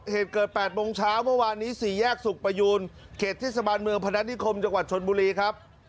เหตุเกิด๘โมงเช้าเมื่อวานนี้๔แยกสุขประยูนเขตเทศบาลเมืองพนัฐนิคมจังหวัดชนบุรีครับ